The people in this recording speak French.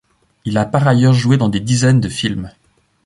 Il a par ailleurs joué dans des dizaines de films.